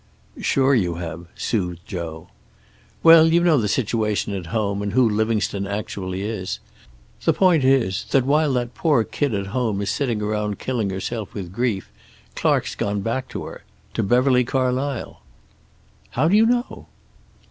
"Sure you have," soothed Joe. "Well, you know the situation at home, and who Livingstone actually is. The point is that, while that poor kid at home is sitting around killing herself with grief, Clark's gone back to her. To Beverly Carlysle." "How do you know?"